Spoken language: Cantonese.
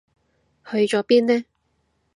去咗邊呢？